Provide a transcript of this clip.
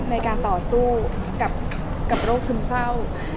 ในการต่อสู้กับโรคซึมเศร้า